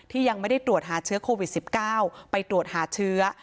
ยังไม่ได้ตรวจหาเชื้อโควิด๑๙ไปตรวจหาเชื้อ